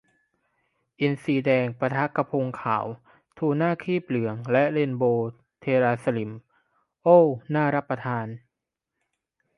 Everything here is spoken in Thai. อินทรีแดง ปะทะ กะพงขาว ทูน่าครีบเหลือง และ เรนโบว์เทราต์สลิ่ม โอว น่ารับประทาน